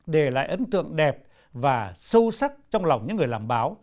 để lại ấn tượng đẹp và sâu sắc trong lòng những người làm báo